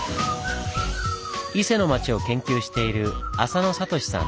伊勢の町を研究している浅野聡さん。